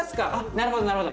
なるほどなるほど。